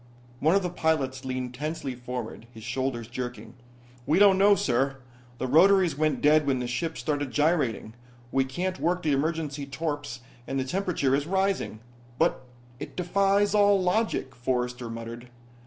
One of the pilots leaned tensely forward, his shoulders jerking. "We don't know, sir. The rotaries went dead when the ship started gyrating. We can't work the emergency torps and the temperature is rising." "But it defies all logic," Forrester muttered.